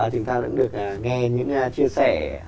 chúng ta cũng được nghe những chia sẻ